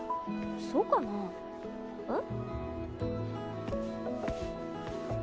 そうかな？え？